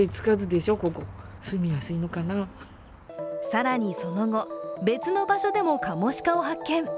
更にその後、別の場所でもカモシカを発見。